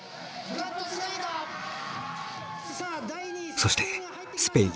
そしてスペイン。